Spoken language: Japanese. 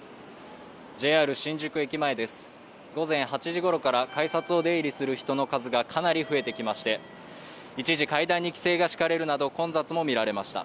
午前８時ごろから改札を出入りする人の数がかなり増えてきまして、一時規制が敷かれるなど混雑も見られました。